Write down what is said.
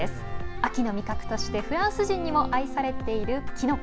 秋の味覚としてフランス人にも愛されている、きのこ。